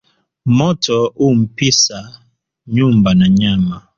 Moto u mpisa nyumba na nyama"